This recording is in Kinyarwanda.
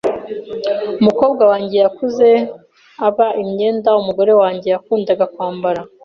Umukobwa wanjye yakuze aba imyenda umugore wanjye yakundaga kwambara.